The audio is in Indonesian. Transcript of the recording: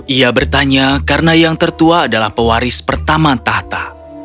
ia bertanya karena yang tertua adalah pewaris pertama tahta